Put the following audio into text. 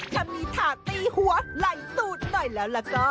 ถ้ามีถาตีหัวไหล่ตูดหน่อยแล้วล่ะก็